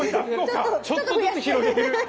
ちょっとずつ広げる。